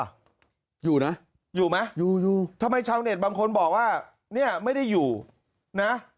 อยู่นะอยู่ไหมอยู่อยู่ทำไมชาวเน็ตบางคนบอกว่าเนี่ยไม่ได้อยู่นะ